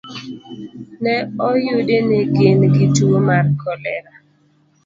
Ne oyudi ni gin gi tuwo mar kolera.